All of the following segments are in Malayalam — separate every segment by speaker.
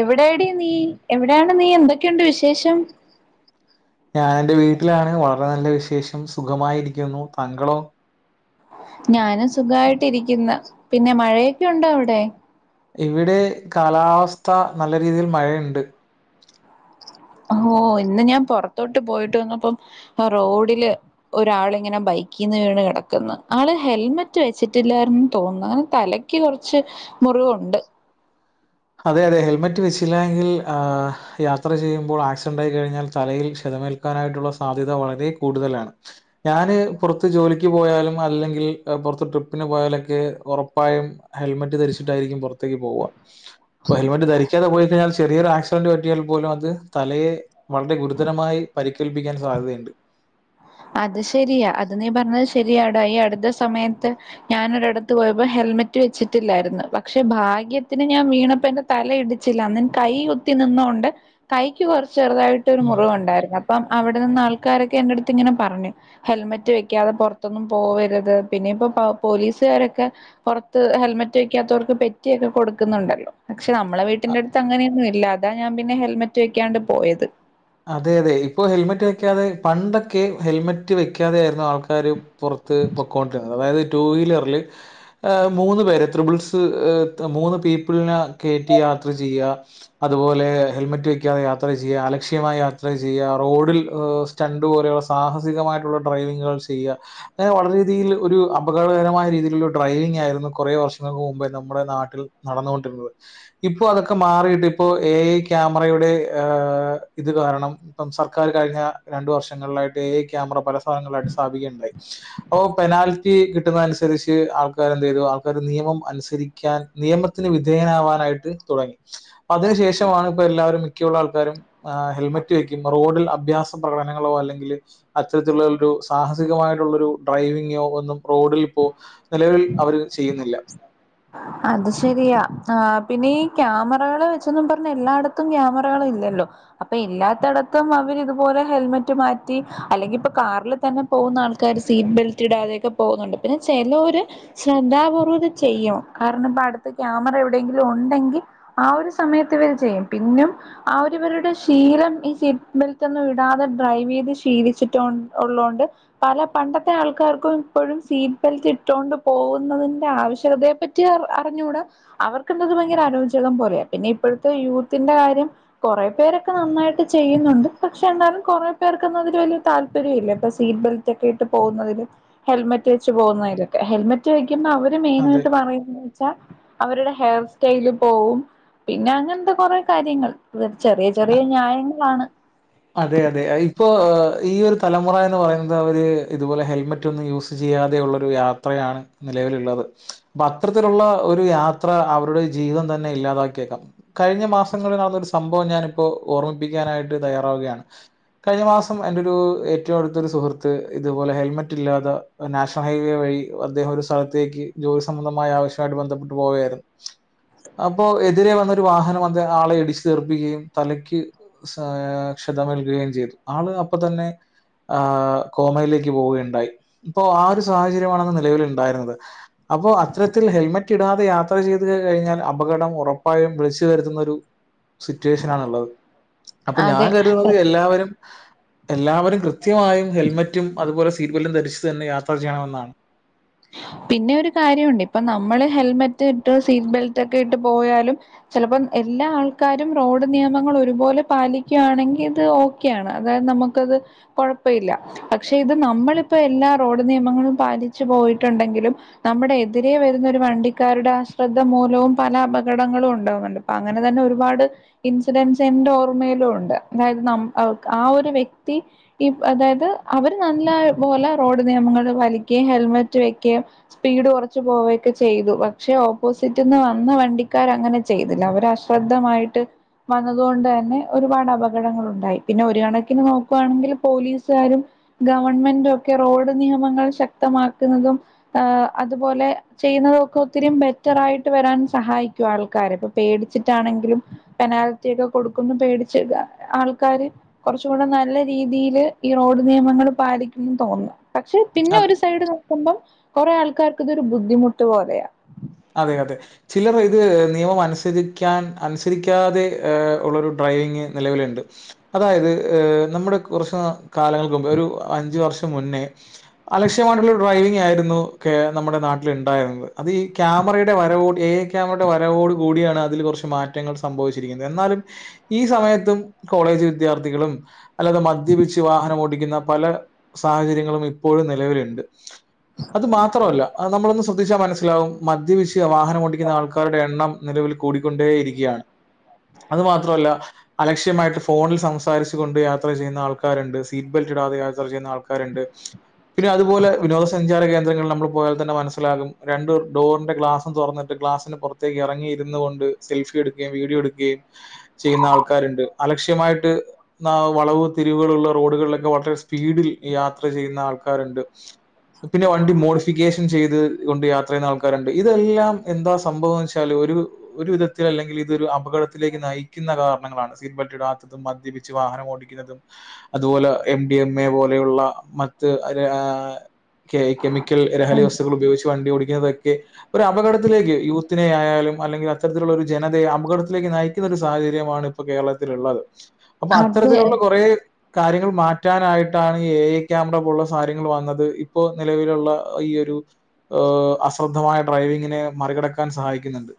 Speaker 1: എവിടെ എടെ നീ എവിടെയാണ് നീ എന്തൊക്ക ഒക്കെയുണ്ട് വിശേഷം
Speaker 2: ഞാൻ എറെ വീട്ടിലാണ് വളരെ നല്ല വിശേഷം സുഖമായിരിക്കുന്നു താങ്കളോ
Speaker 1: ഞാനും സുഖായിട്ട്ിരിക്കുന്ന പിന്നെ മഴയൊക്കെ ഉണ്ടോ അവിടെ
Speaker 2: ഇവിടെ കാലാവസ്ഥ നല്ല രീതിയിൽ മഴയുണ്ട്
Speaker 1: ഓ ഇന്ന് ഞാൻ പുറത്തോട്ട് പോയിട്ട് വന്നപ്പം റോഡില് ഒരാള ഇങ്ങനെ ബൈക്കിൽന്ന് വീണ് കിടക്കുന്ന ആള് ഹെൽമെറ്റ് വെച്ചിട്ടില്ലന്ന് തോന്നുന്നു അങ്ങനെ തലക്ക് കുറച്ച് മുറിവുണ്ട്
Speaker 2: അതെ അതെ ഹെൽമെറ്റ് വെച്ചില്ലായെങ്കിൽ ആ യാത്ര ചെയ്യുമ്പോൾ ആക്സിഡന്റ് ആയി കഴിഞ്ഞാൽ തലയിൽ ക്ഷതമേൽക്കാനായിട്ടുള്ള സാധ്യത വളരെ കൂടുതലാണ് ഞാന് പുറത്ത് ജോലിക്ക് പോയാലും അല്ലെങ്കിൽ പുറത്ത് ട്രിപ്പിന് പോയാലൊക്കെ ഉറപ്പായും ഹെൽമെറ്റ് ധരിച്ചിട്ടായിരിക്കും പുറത്തേക്ക് പോവുക അപ്പ ഹെൽമെറ്റ് ധരിക്കാത പോതിനാൽ ചെറിയൊരു ആക്സിഡന്റ് പറ്റിയാൽ പോലും അത് തലയെ വളരെ ഗുരുതരമായി പരിക്കേൽപ്പിക്കാൻ സാധ്യതയുണ്ട്
Speaker 1: അത് ശരിയാ അത് നീ പറഞ്ഞത് ശരിയാണ് ഈ അടുത്ത സമയത്ത് ഞാനൊ ഒരിടത്ത് പോയപ്പോ ഹെൽമെറ്റ് വെച്ചിട്ടില്ലായിരുന്നു പക്ഷെ ഭാഗ്യത്തിന് ഞാൻ വീണപ്പ എന്റെ തല ഇടിച്ചില്ല അന്ന്ൻ കൈ കുത്തി നിന്നൊണ്ട് കൈക്ക് കുറച്ച് ചെറുതായിട്ട് ഒരു
Speaker 2: ഉം.
Speaker 1: മുറിവ്ുണ്ടായിരുന്നു അപ്പം അവിടെ നിന്ന് ആൾ കക്ക എത്ത് ഇങ്ങനെ പറഞ്ഞു ഹെൽമെറ്റ് വെക്കാതെ പുറത്തൊന്നും പോവരുത് പിന്നെ ഇപ്പോൊ പോലീസുകാരൊക്കെ പുറത്ത് ഹെൽമെറ്റ് വെക്കാത്തവർക്ക് പെറ്റിയൊക്കെ കൊടുക്കുന്നുണ്ടല്ലോ പക്ഷെ നമ്മള വീട്ടിന്റെ അടുത്ത് അങ്ങനൊന്നും ഇല്ല ഇതാ ഞാൻ പിന്നെ ഹെൽമറ്റ് വെക്കാണ്ട് പോയത്
Speaker 2: അതെ അതെ ഇപ്പൊ ഹെൽമെറ്റ് വെക്കാതെ പണ്ടൊക്കെ ഹെൽമെറ്റ് വെക്കാതെ ആയിരുന്നു ആൾക്കാാര് പുറത്ത് പൊക്കോണ്ടിുന്നത് അതായത് ടു വീലറിൽ മൂന്ന പേരെ ത്രിബിൾസ് മൂന്ന് പീപ്പിളിന കയറ്റി യാത്ര ചെയ്യ അതുപോലെ ഹെൽമെറ്റ് വെക്കാതെ യാത്ര ചെയ്യ ലക്ഷ്യമായി യാത്ര ചെയ്യ റോഡിൽ സ്റ്റണ്ട് പോലെയുള്ള സാഹസികമായിട്ടുള്ള ഡ്രൈവിങ്ങുകൾ ചെയ്യാ അങ്ങനെ വളരെ ഇത് കാരണം ഇപ്പം സർക്കാർ കഴിഞ്ഞ രണ്ടു വർഷങ്ങളിലായിട്ട് ക്യാമറ പല ഭാഗങ്ങളായി് സ്ഥാപിക്കയണ്ടായി ഒ പെനാൽറ്റി കിട്ടുന്ന അനുസരിച്ച് ആൾക്കാര്െന്ത ചെയ്തു ആൾക്കാാര് നിയമം അനുസരിക്കാൻ നിയമത്തിന് വിധേയനാവാനായിട്ട് തുടങ്ങി അതിനു ശേഷമാണ് ഇപ്പൊ എല്ലാവരും മിക്കുള്ള ആൾക്കാരും ആ ഹെൽമെറ്റ് വയ്ക്കും റോഡിൽ അഭ്യാസ പ്രകടനങ്ങളോ അല്ലെങ്കിൽ അത്തരത്തിലുള്ള ഒരു സാഹസികമായിട്ടുള്ള ഒരു ഡ്രൈവിങ്ങോ ഒന്നും റോഡിൽ ഇപ്പോ നിലവിൽ അവര് ചെയ്യുന്നില്ല
Speaker 1: അത് ശരിയാ ആ പിന്നെ ഈ ക്യാമറകളെ വെച്ചൊന്നും പറഞ്ഞ എല്ലായിടത്തും ക്യാമറകള ഇല്ലല്ലോ അപ്പൊ ഇല്ലാത്തടത്തും അവര് ഇതുപോലെ ഹെൽമെറ്റ് മാറ്റി അല്ലെങ്കി ഇപ്പൊ കാറിില് തന്നെ പോകുന്ന ആൾക്കാർ സീറ്റ് ബെൽറ്റ് ഇടാതെയൊക്കെ പോകുന്നുണ്ട് പിന്നെ ചിലര് ശ്രദ്ധാപൂർവ്വം ഇത് ചെയ്യണം കാരണം ഇപ്പ അടുത്ത ക്യാമറ എവിടെയെങ്കിലും ഉണ്ടെങ്കിൽ ആ ഒരു സമയത്ത് ഇവർ ചെയ്യും പിന്നും ആരി ഇവരുടെ ശീലം ഈ സീറ്റ് ബെൽറ്റ് ഒന്നും ഇടാതെ ഡ്രൈവ് ചെയ്ത് ശീലിച്ചിട്ട ഉള്ളതോണ്ട് പല പണ്ടത്തെ ആൾക്കാർക്കും ഇപ്പോഴും സീറ്റ് ബെൽറ്റ് ഇട്ടൊണ്ട് പോകുന്നതിൻന്റെ ആവശ്യകതയെ പറ്റി അറിഞ്ഞുകൂട അവർക്ക എന്തത് ഭയങ്കര ആലോചകം പോലയാ പിന്നെ ഇപ്പോഴത്തെ യൂത്തിന്റെ കാര്യം കുറെേ പേരൊക്കെ നന്നായിട്ട് ചെയ്യുന്നുണ്ട് പക്ഷെ എന്നന്താലും കുറെ പേർക്കൊന്നും അതില് വലിയ താല്പര്യം ഇല്ല ഇപ്പൊ സീറ്റ് ബെൽറ്റ് ഒക്കെ ഇട്ട് പോകുന്നതില് ഹെൽമെറ്റ് വെച്ച് പോകുന്നതിലൊക്കെ ഹെൽമെറ്റ് അവര്
Speaker 2: അതെ
Speaker 1: മെയിനായിട്ട് പറയ വച്ചാ അവരുടെ ഹെയർ സ്റ്റൈല് പോവും പിന്നെ അങ്ങനത്തെ കുറെ കാര്യങ്ങൾ ചെറിയ ചെറിയ ന്യായങ്ങളാണ്
Speaker 2: അതെ അതെ ഇപ്പോൊ ഈ ഒരു തലമുറ എന്ന് പറയുന്നത് അവര് ഇതുപോലെ ഹെൽമെറ്റ് ഒന്നും യൂസ് ചെയ്യാതെയള്ള ഒരു യാത്രയാണ് നിലവിലുള്ളത് അപ്പൊ അത്തരത്തിലുള്ള ഒരു യാത്ര അവരുടെ ജീവിതം തന്നെ ഇല്ലാതാക്കിയേക്കാം കഴിഞ്ഞ മാസങ്ങളിൽ നടന്നൊരു സംഭവം ഞാാനിപ്പോൊ ഓർമ്മിപ്പിക്കാനായിട്ട് തയ്യാറാവുകയാണ് കഴിഞ്ഞ മാസം എന്റെ ഒരു ഏറ്റവും അടുത്തരു സുഹൃത്ത് ഇതുപോലെ ഹെൽമെറ്റ് ഇല്ലാതെ നാഷണൽ ഹൈവേ വഴി അദ്ദേഹം ഒരു സ്ഥലത്തേക്ക് ജോലി സംബന്ധമായ ആവശ്യമായിട്ട് ബന്ധപ്പെട്ട് പോവുകയായിരുന്നു അപ്പോ എതിരെ വന്ന ഒരു വാഹനം അ ആളെ ഇടിച്ചു തീർപ്പിക്കുകയും തലയ്ക്ക് ഏ ക്ഷതമേൽുകയും ചെയ്തു ആള് അപ്പ തന്നെ ആ് കോമയിലേക്ക് പോവുകയുണ്ടായി അപ്പൊ ആ ഒരു സാഹചര്യമാണ നിലവൽ ഉണ്ടായിരുന്നത് അപ്പോ അത്തരത്തിൽ ഹെൽമെറ്റ് ഇടാതെ യാത്ര ചെയ്ത് കഴിഞ്ഞാൽ അപകടം ഉറപ്പായും വിളിച്ചു വരുത്തുന്ന ഒരു സിറ്റുവേഷന ആണുള്ളത് അപ്പൊ
Speaker 1: അതെ
Speaker 2: ഞാൻ കരുതുന്നത് എല്ലാവരും എല്ലാവരും കൃത്യമായും ഹെൽമറ്റും അതുപോലെ സീറ്റ് ബെൽറ്റ് ധരിച്ചു തന്നെ യാത്ര ചെയ്യണമെന്നാണ്
Speaker 1: പിന്നെ ഒരു കാര്യുണ്ട് ഇപ്പൊ നമ്മള് ഹെൽമെറ്റ് ഇട്ട് സീറ്റ് ബെൽറ്റ് ഒക്കെ ഇട്ട് പോയാലും ചിലപ്പോം എല്ലാ ആൾക്കാരും റോഡ് നിയമങ്ങൾ ഒരുപോലെ പാലിക്കുകയാണെങ്കിൽ ഇത് ഓക്കെയാണ് അതായത് നമുക്കത് കൊഴപ്പ ഇല്ല പക്ഷെ ഇത് നമ്മളിപ്പോ എല്ലാ റോഡ് നിയമങ്ങളും പാലിച്ച് പോയിട്ട് ണ്ടെങ്കിലും നമ്മുടെ എതിരെ വരുന്ന ഒരു വണ്ടിക്കാരുടെ ആശ്രദ്ധ മൂലവും പല അപകടങ്ങളും ഉണ്ടാകുന്നുണ്ട് അപ്പ അങ്ങനെ തന്നെ ഒരുപാട് ഇൻസിഡൻസിന്റെ ഓർമ്മയിലും ഉണ്ട് അതായത് ന ആ ഒരു വ്യക്തി ഈ അതായത് അവര് നല്ല പോലെ റോഡ് നിയമങ്ങൾ വലിക്ക ഹെൽമെറ്റ് വെക്ക സ്പീഡ് കുറച്ചു പോവുകയൊക്കെ ചെയ്തു പക്ഷെ ഓപ്പോസിറ്റ നിന്ന് വന്ന വണ്ടിക്കാര അങ്ങനെ ചെയ്തില്ല അവര് അശ്രദ്ധമായിട്ട് വന്നതുകൊണ്ട് തന്നെ ഒരുപാട് അപകടങ്ങളുണ്ടായി പിന്നെ ഒരു കണക്കിന് നോക്കുകയാണെങ്കിൽ പോലീസുകാരും ഗവൺമെന്റും ഒക്കെ റോഡ് നിയമങ്ങൾ ശക്തമാ ുന്നതും ഏർ അതുപോലെ ചെയ്യുന്നതും ഒക്കെ ഒത്തിരി ബെറ്റർ ആായിട്ട് വരാൻ സഹായിക്കും ആൾക്കാര്െ ഇപ്പൊ പേടിച്ചിട്ടാണെങ്കിലും പെനാൽറ്റി ഒക്കെ കൊടുക്കുന്നു പേടിച്ച ആൾക്കാര് കുറച്ച കൂടെ നല്ല രീതിയില് ഈ റോഡ് നിയമങ്ങള്പാലിക്കണംന്ന് തോന്നുന്നു പക്ഷെ പിന്നെ ഒരു സൈഡ് കുറെേ ആൾക്കാർക്ക് ഇതൊരു ബുദ്ധിമുട്ട് പൊലയാണ്
Speaker 2: അതെ അതെ ചിലർ ഇ ഇത് നിയമം അനുസരിക്കാൻ അനുസരിക്കാതെ ഉള്ള ഒരു ഡ്രൈവിംഗ നിലവിലുണ്ട് അതായത്് നമ്മുടെ കുറച്ച് കാലങ്ങൾക്ക് മുമ്പ് ഒരു അഞ്ച് വർഷം മുന്നേ അലക്ഷ്യമായിട്ടുള്ള ഡ്രൈവിംഗ ആയിരുന്നു നമ്മുടെ നാട്ടിൽ ഉണ്ടായിരുന്നത് അത് ഈ ക്യാമറയുടെ വരവോട് എ [unintelligible] വരവോട് കൂ കൂടിയാണ് അതിൽ കുറച്ച് മാറ്റങ്ങൾ സംഭവിച്ചിരിക്കുന്നത് എന്നാലും ഈ സമയത്തും കോളേജ് വിദ്യാർത്ഥികളും അല്ലാതെ മദ്യപിച്ച് വാഹനം ഓടിക്കുന്ന പല സാഹചര്യങ്ങളും ഇപ്പോഴും നിലവിലുണ്ട് അത് മാത്രല്ല നമ്മളൊന്ന് ശ്രദ്ധിച്ചാൽ മനസ്സിലാവും മദ്യവിശ് വാഹനം ഓടിക്കുന്ന ആൾക്കാരുടെ എണ്ണം നിലവില് കൂടിക്കൊണ്ടേ ഇരിക്കുകയാണ് അത് മാത്രമല്ല അലക്ഷ്യമായിട്ട് ഫോണിൽ സംസാരിച്ചു കൊണ്ട് യാത്ര ചെയ്യുന്ന ആൾക്കാരുണ്ട് സീറ്റ്ബെൽറ്റ് ഇടാതെ യാത്ര ചെയ്യുന്ന ആൾക്കാരുണ്ട് പിന്നെ അതുപോലെ വിനോദസഞ്ചാര കേന്ദ്രങ്ങളിൽ നമ്മൾ പോയാൽ തന്നെ മനസ്സിലാകും രണ്ട് ഡോറിന്റെ ഗ്ലാസും തുറന്നിട്ട് ഗ്ലാസിന് പുറത്തേക്ക് ഇറങ്ങിയിരുന്നു കൊണ്ട് സെൽഫി എടുക്കുകയും വീഡിയോ എടുക്കുകയും ചെയ്യുന്ന ആൾക്കാര്ണ്ട് അലക്ഷ്യമായിട്ട് ന വളവ് തിരിവുകള്ള റോഡുകളിലൊക്കെ വളരെ സ്പീഡിൽ യാത്ര ചെയ്യുന്ന ആൾക്കാര്ണ്ട് പിന്നെ വണ്ടി മോഡിഫിക്കേഷൻ ചെയ്ത് കൊണ്ട് യാത്ര ചെയ്യുന്ന ആൾക്കാ ക്കാര്ണ്ട് ഇതെല്ലാം എന്താ സംഭവം വെച്ചാല് ഒരു ഒരു വിധത്തിലല്ലെങ്കില് ഇതൊരു അപകടത്തിലേക്ക് നയിക്കുന്ന കാരണങ്ങളാണ് സീറ്റ്ബെൽറ്റ് ഇടാത്തതും മദ്യപിച്ച് വാഹനം ഓടിക്കുന്നതും അതുപോലെ എം ഡി എം എ പോലെയുള്ള മറ്റ് ഒരു അ ആ കെമിക്കൽ ലഹരി വസ്തുക്കൾ ഉപയോഗിച്ച് വണ്ടി ഓടിക്കുന്നതൊക്കെ ക്കെ ഒരു അപകടത്തിലേക്ക് യൂത്തിനെ ആയാലും അല്ലെങ്കിൽ അത്തരത്തിലുള്ള ഒരു ജനതയെ അപകടത്തിലേക്ക് നയിക്കുന്ന ഒരു സാഹചര്യമാണ് ഇപ്പൊ കേരളത്തിലുള്ളത് അപ്പൊ
Speaker 1: അതെ
Speaker 2: അത്തരത്തിലുള്ള കൊറേ കാര്യങ്ങൾ മാറ്റാനായിട്ടാണ് ഈ എ എ ക്യാമറ പോലുള്ള സാര്യങ്ങൾ വന്നത് ഇപ്പോ നിലവിലുള്ള ഈ ഒരു ഏ അസ് ശ്രദ്ധമായ ഡ്രൈവിങ്ങിനെ മറികടക്കാൻ സഹായിക്കുന്നുണ്ട്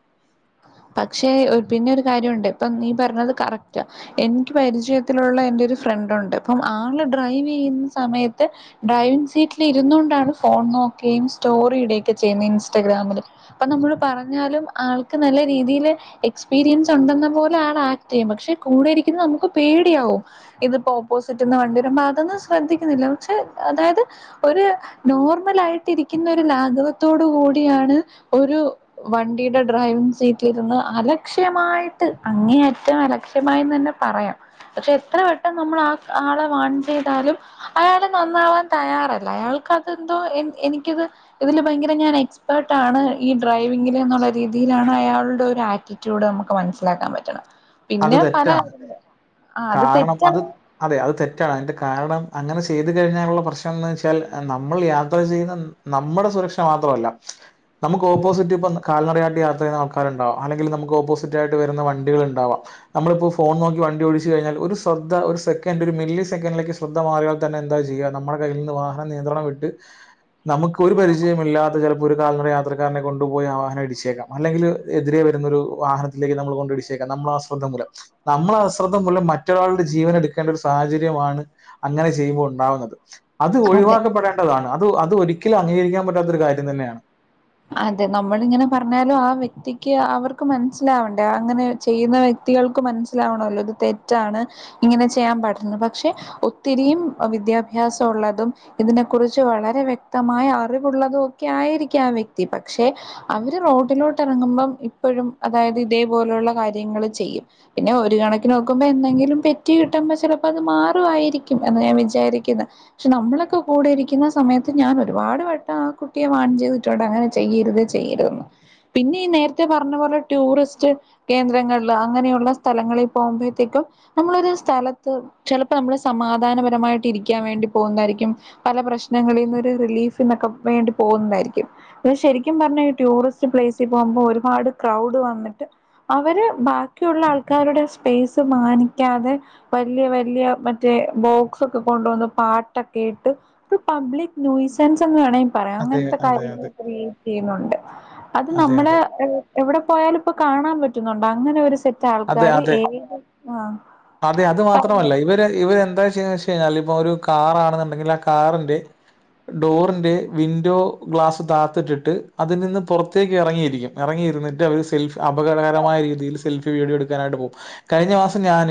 Speaker 1: പക്ഷേ ഒ പിന്നെ ഒരു കാര്യോണ്ട് ഇപ്പം നീ പറഞ്ഞത് കറക്റ്റാ എനിക്ക് പരിചയത്തിലുള്ള എന്റെ ഒരു ഫ്രണ്ടുണ്ട് അപ്പം ആള് ഡ്രൈവ് ചെയ്യുന്ന സമയത്ത് ഡ്രൈവിങ് സീറ്റിൽ ഇരുന്നോണ്ടാണ് ഫോൺ നോക്കുകയും സ്റ്റോറിടൊക്കെ ചെയ്യുന്നത് ഇൻസ്റ്റാഗ്രാമില് അപ്പൊ നമ്മള് പറഞ്ഞാലും ആൾക്ക് നല്ല രീതിയില് എക്സ്പീരിയൻസ് ഉണ്ടെന്ന പോലെ ആളാക്ട് ചെയ്യും പക്ഷേ കൂടെ ഇരിക്കുന്നനമ്മക്ക് പേടിയാവും ഇതിപ്പോ ഓപ്പോസിറ്റ്ന്ന് വണ്ടി വരുമ്പോ അതൊന്നും ശ്രദ്ധിക്കുന്നില്ല പക്ഷേ അതായത് ഒരു നോർമളായിട്ടിരിക്കുന്ന ഒരു ലാഘവത്തോട് കൂടിയാണ് ഒരു വണ്ടിയുടെ ഡ്രൈവിങ് സീറ്റ് ക്കിരുന്ന് അലക്ഷ്യമായിട്ട് അങ്ങേ അറ്റം അലക്ഷ്യമായെന്ന്തന്നെ പറയാ പക്ഷേ എത്ര വട്ടം നമ്മൾ ആ ആളെ വാൺ ചെയ്താലും അയാള് നന്നാവാൻ തയ്യാറല്ല അയാൾക്കതെന്തോ എനിക്കത് ഇതിൽ ഭയങ്കര ഞാൻ എക്സ്പേർട്ടാണ് ഈ ഡ്രൈവിങ്ങില്ന്നുള്ള രീതിയിലാണ് അയാൾ ഒരു ആക്റ്റിറ്റ്യൂഡ് നമുക്ക് മനസ്സിലാക്കാൻ പറ്റ്ണ്
Speaker 2: അത്
Speaker 1: പിന്നെ പല
Speaker 2: തെറ്റാണ്.
Speaker 1: ആ അത് തെറ്റാണ്
Speaker 2: റ്റാണ് അതിന്റെകാരണം അങ്ങനെ ചെയ്തു കഴിഞ്ഞാലുള്ള പ്രശ്നംന്ന് വെച്ചാൽ നമ്മൾ യാത്ര ചെയ്യുന്ന നമ്മുടെ സുരക്ഷ മാത്രമല്ല നമുക്ക് ഓപ്പോസിറ്റ് ഇപ്പം കാൽനടയായിട്ട് യാത്ര ചെയ്യുന്ന ആൾക്കാരുണ്ടാവാം അല്ലെങ്കിൽ നമുക്ക് ഓപ്പോസിറ്റ് ആയിട്ട് വരുന്ന വണ്ടികള് ഉണ്ടാവാം നമ്മളിപ്പൊ ഫോൺ നോക്കി വണ്ടി ഒഴിച്ച് കഴിഞ്ഞാൽ ഒരു ശ്രദ്ധ ഒരു സെക്കൻഡ് ഒരു മില്ലി സെക്കൻഡിലേക്ക് ശ്രദ്ധ മാറിയാൽ തന്നെ എന്താ ചെയ്യാ നമ്മളെ കയ്യിൽ നിന്ന് വാഹനം നിയന്ത്രണം വിട്ട് നമുക്ക് ഒരു പരിചയം ഇല്ലാത്ത ചിലപ്പോൾ ഒരു കാൽനടയാത്ര ഒരാളെ കൊണ്ടു പോയി ആ വാഹനം ഇടിച്ചേക്കാം അല്ലെങ്കിൽ എതിരെ വരുന്ന ഒരുവാഹനത്തിലേക്ക് നമ്മള് കൊണ്ടിടിച്ചേക്കാം നമ്മള് ആ - ്രദ് [unintelligible] മൂലം നമ്മടെ അശ്രദ്ധ മൂലം മറ്റൊരാളുടെ ജീവന എടുക്കേണ്ട ഒരു സാഹചര്യമാണ് അങ്ങനെ ചെയ്യുമ്പോൾ ഉണ്ടാവുന്നത് അത്
Speaker 1: അതെ
Speaker 2: ഒഴിവാക്കപ്പെടേണ്ടതാണ് അത് അത് ഒരിക്കലും അംഗീകരിക്കാൻ പറ്റാത്തൊരു കാര്യം തന്നെയാണ്
Speaker 1: അതെ നമ്മളിങ്ങനെ പറഞ്ഞാലും ആ വ്യക്തിക്ക് അവർക്ക് മനസ്സിലാവണ്ടേ അങ്ങനെ ചെയ്യുന്ന വ്യക്തികൾക്ക് മനസ്സിലാവണല്ലോ ഇത് തെറ്റാണ് ഇങ്ങനെ ചെയ്യാൻ പറ്റുന്നെ പക്ഷെ ഒത്തിരിം വിദ്യാഭ്യാസം ഉള്ളതും ഇതിനെ കുറിച്ച് വളരെ വ്യക്തമായ അറിവുള്ളതും ഒക്കെ ആയിരിക്കും ആ വ്യക്തി- പക്ഷെ അവര് റോഡിലോട്ട് ഇറങ്ങുമ്പം ഇപ്പോഴും അതായത് ഇതേപോലെയുള്ള കാര്യങ്ങൾ ചെയ്യും പിന്നെ ഒരു കണക്കിന് നോക്കുമ്പോൾ എന്തെങ്കിലും പെറ്റി കിട്ടുമ്പോ ചിലപ്പോ അത് മാറുമായിരിക്കും എന്ന് ഞാൻ വിചാരിക്കുന്നത് പക്ഷെ നമ്മളൊക്കെ കൂടിയിരിക്കുന്ന സമയത്ത് ഞാൻ ഒരുപാട് വെട്ടം ആ കുട്ടിയെ വാൺ ചെയ്തിട്ടുണ്ട് അങ്ങനെ- ചെയ്യരുത് ചെയ്യരുതന്ന് പിന്നെ ഈ നേരത്തെ പറഞ്ഞപോലെ ടൂറിസ്റ്റ് കേന്ദ്രങ്ങളില് അങ്ങനെയുള്ള സ്ഥലങ്ങളിൽ പോകുമ്പോഴത്തേക്കും നമ്മളരു സ്ഥലത്ത് ചിലപ്പോ നമ്മള് സമാധാനപരമായിട്ട് ഇരിക്കാൻ വേണ്ടി പോകുന്നതായിരിക്കും പല പ്രശ്നങ്ങളിൽ നിന്ന് ഒരു റിലീഫന്നൊക്കെ വേണ്ടി പോകുന്നതായിരിക്കും- പിന്നെ ശരിക്കും പറഞ്ഞ ഈ ടൂറിസ്റ്റ് പ്ലെസിൽ പോകുമ്പോൾ ഒരുപാട് ക്രൗഡ് വന്നിട്ട്- അവര് ബാക്കിയുള്ള ആൾക്കാ- ക്കാരുടെ സ്പേസ് മാനിക്കാതെ വലിയ വലിയ മറ്റേ ബോക്സ് ഒക്കെ കൊണ്ടുവന്ന് പാട്ടൊക്കെ ഇട്ട് പബ്ലിക് നൂസൻസ് എന്ന് വേണമെങ്കി - പറയാം
Speaker 2: അതെ,
Speaker 1: അങ്ങനത്തെ
Speaker 2: അതെ,
Speaker 1: കാര്യംല്ല
Speaker 2: അതെ.
Speaker 1: ചെയ്യുന്നൊണ്ട് അത്
Speaker 2: അതെ,
Speaker 1: നമ്മള്
Speaker 2: അതെ.
Speaker 1: എവിടെ പോയാലും ഇപ്പോ കാണാം പറ്റുന്നോണ്ട് അങ്ങനെ ഒരു സി -
Speaker 2: അതെ അതെ അതെ അത്
Speaker 1: പറഞ്ഞോ
Speaker 2: മാത്രമല്ല ഇവര് ഇവരെന്താ ചെയ്യന്ന് വെ ഴിൽ ഇപ്പ ഒരു കാറാണെന്നുണ്ടെങ്കില് ആ കാറിന്റെ ഡോറിന്റെ വിൻഡോ ഗ്ലാസ് താത്തിട്ടിട്ട് അതിൽ നിന്ന് പുറത്തേക്ക് ഇറങ്ങിയിരിക്കും ഇറങ്ങിയിരിട്ട് അവര് സെൽഫി അപകടകരമായ രീതിയില് സെൽഫി വീഡിയോ എടുക്കാനായിട്ട് പോകും കഴിഞ്ഞ മാസം ഞാൻ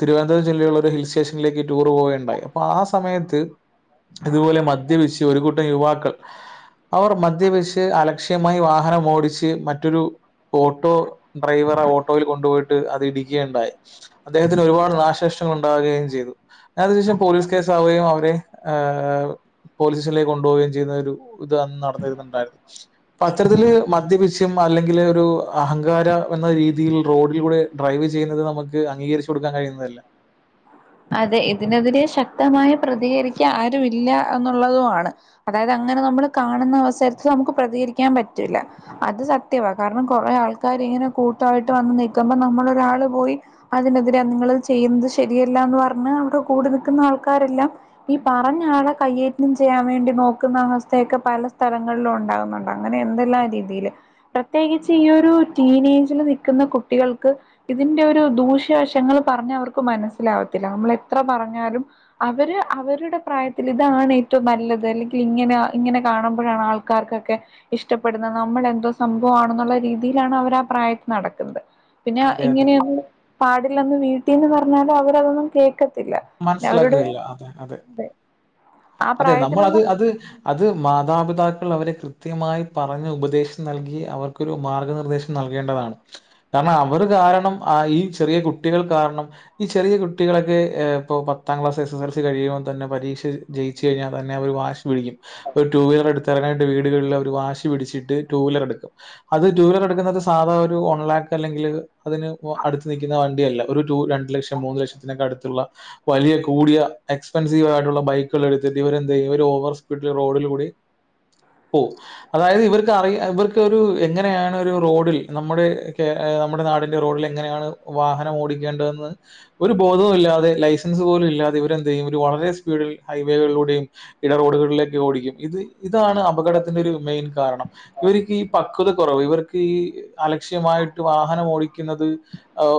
Speaker 2: തിരുവനന്തപുരം ജില്ലേള്ളൊരു ഹിൽ സ്റ്റേഷനിലേക്ക് ടൂർ പോവുകണ്ടായി അപ്പൊ ആ സമയത്ത് ഇതുപോലെ മദ്യ വിശി ഒരു കുട്ട യുവാക്കൾ അവർ മദ്യപച്ച് അലക്ഷ്യമായി വാഹനം ഓടിച്ച് മറ്റൊരു ഓട്ടോ ഡ്രൈവർ ഓ ഓട്ടോയില് കൊണ്ടോയിട്ട് അത് ഇടിക്കുകണ്ടായി അദ്ദേഹത്തിന് ഒരുപാട് നാശനഷ്ടങ്ങൾ ഉണ്ടാവുകയും ചെയ്തു ഞാ അതിന് ശേഷം പോലീസ് കേസാവുകയും അവരെ ആഹ് പോലീസ് സ്റ്റേഷനിലേക്ക് കൊണ്ടോവുകയും ചെയ്യുന്ന ഒരു ഇതാന്ന് നടന്നിരുന്നുണ്ടായിരുന്നു അപ്പം അത്തരത്തില് മദ്യപിച്ച് അല്ലെങ്കില് ഒരു അഹങ്കാര എന്ന രീതിയില് റോഡിൽ കൂടെ ഡ്രൈവ് ചെയ്യുന്നത് നമുക്ക് അംഗീകരിച്ചു കൊടുക്കാൻ കഴിയുന്നതല്ല
Speaker 1: അതെ ഇതിനെതിരെ ശക്തമായി പ്രതികരിക്കാ ആരും ഇല്ല എന്നുള്ളതുമാണ് അതായത് അങ്ങനെ നമ്മൾ കാണുന്ന അവസരത്തിൽ നമുക്ക് പ്രതികരിക്കാൻ പറ്റൂല്ല അത് സത്യവാ കാരണം കുറെ ആൾക്കാര് ഇങ്ങനെ കൂട്ടവായിട്ട് വന്ന് നിക്കുമ്പോ നമ്മള് ഒരാള് പോയി അതിനെതിരെ നിങ്ങള് ചെയ്യുന്നത് ശരിയ ന്ന് പറഞ്ഞ് അവിടെ കൂടി നിക്കുന്ന ആൾക്കാരെല്ലാം ഈ പറഞ്ഞ ആളെ കയ്യേറ്റം ചെയ്യാൻ വേണ്ടി നോക്കുന്ന അവസ്ഥയൊക്കെ പല സ്ഥലങ്ങളിലും ഉണ്ടാകുന്നുണ്ട് അങ്ങനെ എന്തെല്ലാം രീതിയില് പ്രത്യേകിച്ച് ഈ ഒരു ടീനേജില് നിക്കുന്ന കുട്ടികൾക്ക് ഇതിന്റെ ഒരു ദൂഷ്യവശങ്ങൾ പറഞ്ഞ് അവർക്ക് മനസ് മനസ്സിലാവത്തില്ല നമ്മള് എത്ര പറഞ്ഞാലും അവര് അവരുടെ പ്രായത്തിൽ ഇതാണ് ഏറ്റവും നല്ലത് അല്ലെങ്കി ഇങ്ങന ഇങ്ങനെ കാണുമ്പോഴാണ് ആൾക്കാർക്കൊക്കെ ഇഷ്ടപ്പെടുന്നത് നമ്മൾ എന്തോ സംഭവാണെന്നുള്ള രീതിയിലാണ് അവർ ആഹ് പ്രായത്ത് നടക്കുന്നത് പിന്നെ
Speaker 2: അതെ, അതെ.
Speaker 1: ഇങ്ങനെയൊരു പാ വീട്ടീന്ന് പറഞ്ഞാത് അവ തൊന്നും കേക്ക
Speaker 2: മനസ്സിലാക്കുകയില്ല അതെ അതെ
Speaker 1: ആ
Speaker 2: അതെ
Speaker 1: പ്രായത്തിലുള്ള
Speaker 2: നമ്മളത് അത് മാതാപിതാക്കൾ അവരെ കൃ കൃത്യമായി പറഞ്ഞ് ഉപദേശിച്ചു നൽകി അവർക്കൊരു മാർഗനിർദ്ദേശം നൽകേണ്ടതാണ് കാരണം അവർ കാരണം ആഹ് ഈ ചെറിയ കുട്ടികൾ കാരണം ഈ ചെറിയ കുട്ടികളൊക്കെ ഏഹ് ഇപ്പൊ പത്താം ക്ലാസ് എസ് എസ് എൽസി കഴിയുമ്പോൾ തന്നെ പരീക്ഷ ജയിച്ചു കഴിഞ്ഞാൽ തന്നെ അവര് വാശി പിടിക്കും ഒരു ടു വീലർ എടുത്തിറങ്ങാനായിട്ട് വീടുകളിൽ അവര് വാശി പിടിച്ചിട്ട് ടു വീലർ എടുക്കും അത് ടുവീലർ എടുക്കുന്നത് സാദാ ഒരു വൺ ലാക്ക് അല്ലെങ്കിൽ അതിന് അടുത്ത് നിക്കുന്ന വണ്ടിയല്ല ഒരു രണ്ടു ലക്ഷം മൂന്ന് ലക്ഷത്തിനൊക്കെ അടുത്തുള്ള- വലിയ കൂടിയ എക്സ്പെൻസീവ ആയിട്ടുള്ള ബൈക്കുകൾ എടുത്തിട്ട് ഇവര് എന്ത് ചെയ്യും ഒരു ഓവർ സ്പീഡിൽ റോഡിൽ കൂടി പോവും അതായത് ഇവർക്ക് അറിയ ഇവർക്ക് ഒരു എങ്ങനെയാണ് ഒരു റോഡിൽ നമ്മുടെ നമ്മുടെ നാടിന്റെ റോഡിൽ എങ്ങനെയാണ് വാഹനം ഓടിക്കേണ്ടതെന്ന് ഒരു ബോധവും ഇല്ലാതെ ലൈസെ- ലൈസെൻസ് പോലും ഇല്ലാതെ ഇവരെന്ത് ചെയ്യും വളരെ സ്പീഡിൽ ഹൈവേകളിലൂടെയും ഇടറോഡുകളിലേക്ക് ഓടിക്കും ഇത് ഇതാണ് അപകടത്തിന്റെ ഒരു മെയിൻ കാരണം ഇവർക്ക് ഈ പക്വത കുറവ് ഇവർക്ക് ഈ അലക്ഷ്യമായിട്ട് വാഹനം ഓടിക്കുന്നത് ആ